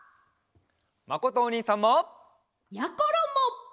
まことおにいさんも！やころも！